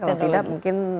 kalau tidak mungkin